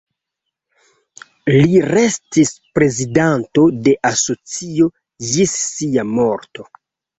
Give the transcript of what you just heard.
Li restis prezidanto de asocio ĝis sia morto.